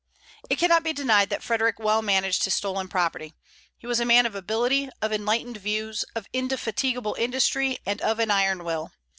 It cannot be denied that Frederic well managed his stolen property. He was a man of ability, of enlightened views, of indefatigable industry, and of an iron will.